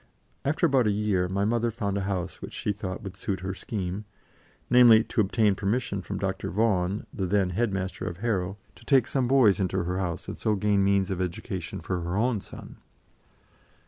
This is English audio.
After about a year my mother found a house which she thought would suit her scheme, namely, to obtain permission from Dr. Vaughan, the then head master of Harrow, to take some boys into her house, and so gain means of education for her own son.